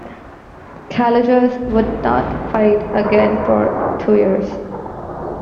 Callejas would not fight again for two years.